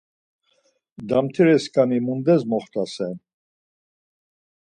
Damtireskani mundes moxtasere?